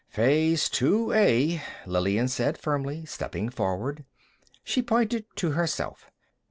"Phase Two A," Lillian said firmly, stepping forward. She pointed to herself.